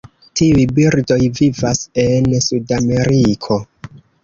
Tiuj birdoj vivas en Sudameriko.